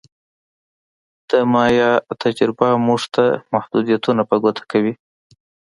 د مایا تجربه موږ ته محدودیتونه په ګوته کوي